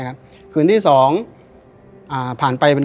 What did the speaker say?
หล่นลงมาสองแผ่นอ้าวหล่นลงมาสองแผ่นอ้าวหล่นลงมาสองแผ่น